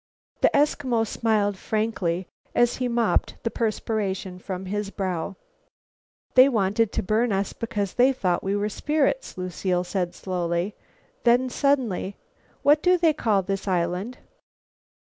The Eskimo smiled frankly, as he mopped the perspiration from his brow. "They wanted to burn us because they thought we were spirits," Lucile said slowly; then suddenly, "What do they call this island?"